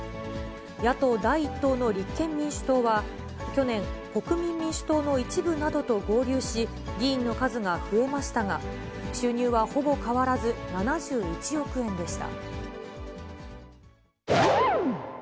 野党第１党の立憲民主党は、去年、国民民主党の一部などと合流し、議員の数が増えましたが、収入はほぼ変わらず、７１億円でした。